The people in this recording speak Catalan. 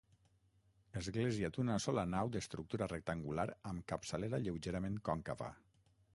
Església d'una sola nau d'estructura rectangular amb capçalera lleugerament còncava.